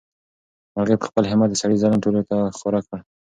مرغۍ په خپل همت د سړي ظلم ټولو ته ښکاره کړ.